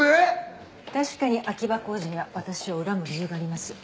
確かに秋葉浩二には私を恨む理由があります。